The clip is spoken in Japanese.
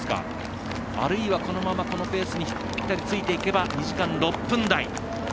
あるいはこのままこのペースにぴったりついていけば２時間６分台。